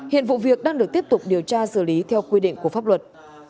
hiện vụ việc đang được tiếp tục điều tra xử lý theo quy định của pháp luật